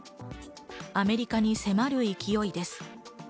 アメリカに迫る勢いです。